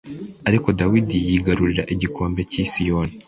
ariko dawidi yigarurira igihome cy i siyoni